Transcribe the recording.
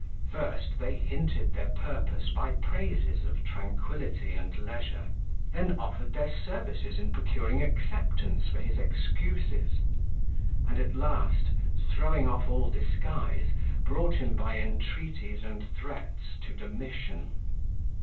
First they hinted their purpose by praises of tranquillity and leisure; then offered their services in procuring acceptance for his excuses; and at last, throwing off all disguise, brought him by entreaties and threats to Domitian.